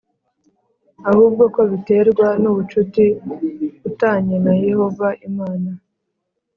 ahubwo ko biterwa n ubucuti u tanye na Yehova Imana